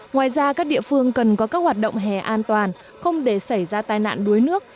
ngoài ra các địa phương cần có các hoạt động hè an toàn không để xảy ra tai nạn đuối nước